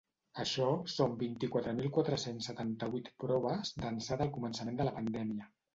Això són vint-i-quatre mil quatre-cents setanta-vuit proves d’ençà del començament de la pandèmia.